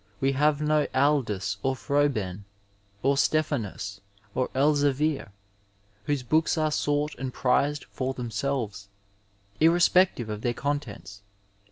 We have no Aldus or Froben or Stephanus or Elzevir, whose books are sought and prised fer themselves, irrespective of tiieir contents.